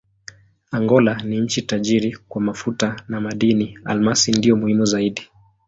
Angola ni nchi tajiri kwa mafuta na madini: almasi ndiyo muhimu zaidi.